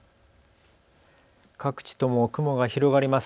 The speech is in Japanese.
各地とも雲が広がります。